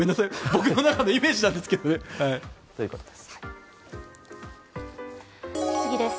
僕の中でのイメージなんですけどね。ということです。